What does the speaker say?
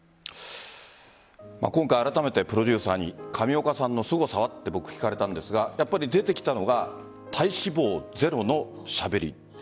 今回あらためてプロデューサーに上岡さんのすごさは？って僕、聞かれたんですが出てきたのが体脂肪ゼロのしゃべり。